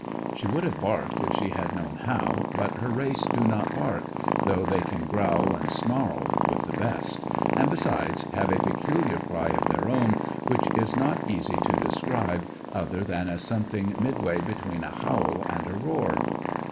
She would have barked if she had known how, but her race do not bark, though they can growl and snarl with the best, and, besides, have a peculiar cry of their own which is not easy to describe other than as something midway between a howl and a roar.